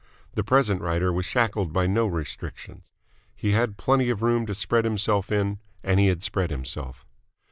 The present writer was shackled by no restrictions. He had plenty of room to spread himself in, and he had spread himself.